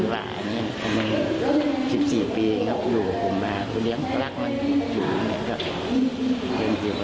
อรับมันทั้งวันไม่มีวันใดจะไม่รักของคุณพ่อ